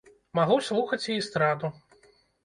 Магу слухаць і эстраду.